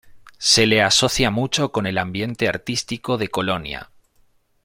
Se le asocia mucho con el ambiente artístico de Colonia.